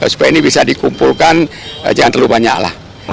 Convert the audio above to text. supaya ini bisa dikumpulkan jangan terlalu banyak lah